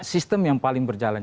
sistem yang paling berjalan